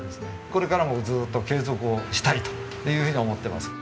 これからもずっと継続をしたいというふうに思っています。